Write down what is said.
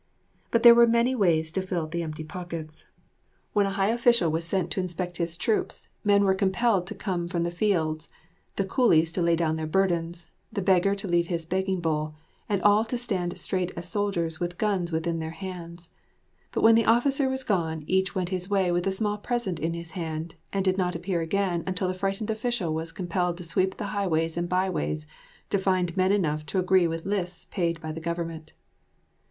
But there were many ways to fill the empty pockets. When a high official was sent to inspect his troops, men were compelled to come from the fields, the coolies to lay down their burdens, the beggar to leave his begging bowl, and all to stand straight as soldiers with guns within their hands. But when the officer was gone each went his way with a small present in his hand and did not appear again until the frightened official was compelled to sweep the highways and byways to find men enough to agree with lists paid by the government.